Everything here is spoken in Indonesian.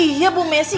iya bu messi